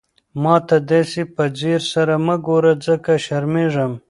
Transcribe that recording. ما ته داسې په ځير سره مه ګوره، ځکه شرمېږم.